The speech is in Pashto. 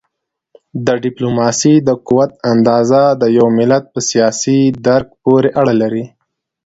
د ډیپلوماسی د قوت اندازه د یو ملت په سیاسي درک پورې اړه لري.